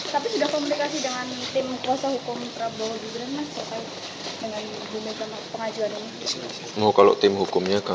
tapi sudah komunikasi dengan tim kuasa hukum prabowo juga